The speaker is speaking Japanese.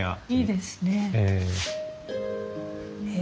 いいですね。